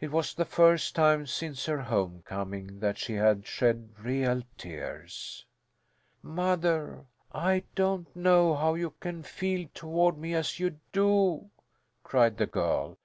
It was the first time since her homecoming that she had shed real tears. "Mother, I don't know how you can feel toward me as you do!" cried the girl.